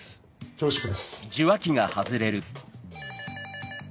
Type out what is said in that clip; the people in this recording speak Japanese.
恐縮です。